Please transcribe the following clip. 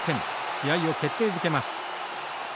試合を決定づけます。